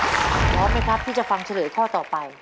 พร้อมไหมครับที่จะฟังเฉลยข้อต่อไป